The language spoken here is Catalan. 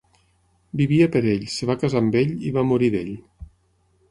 Vivia per ell, es va casar amb ell i va morir d'ell.